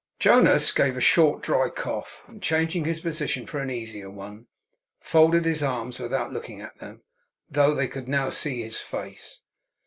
Jonas gave a short, dry cough; and, changing his position for an easier one, folded his arms without looking at them, though they could now see his face.